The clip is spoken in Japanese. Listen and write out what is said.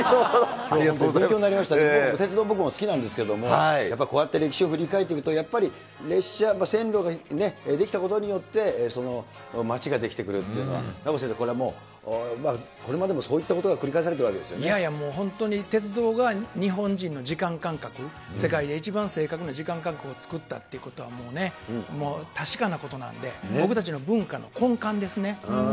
勉強になりました、鉄道、僕も好きなんですけれども、やっぱこうやって歴史を振り返っていくと、列車、線路が、出来たことによって、その街が出来てくるっていうのは、名越先生、これもう、これまでもそういったことが繰り返されてきたわけですいやいや、もう本当に鉄道が日本人の時間感覚、世界で一番正確な時間間隔を作ったっていうことは、もう、確かなことなんで、僕たちの文化の根幹ですね。